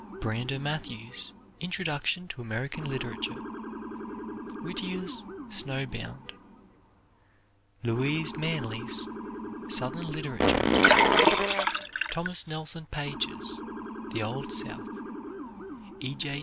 Brander Matthews' "Introduction to American Literature." Whittier's "Snow Bound." Louise Manley's "Southern Literature." Thomas Nelson Page's "The Old South." E. J.